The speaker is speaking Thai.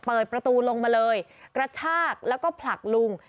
เปิดประตูลงมาเลยกระชากแล้วก็ผลักลุง